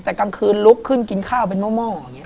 แต่กลางคืนลุกขึ้นกินข้าวเป็นหม้อ